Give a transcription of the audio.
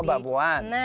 oh mbak puan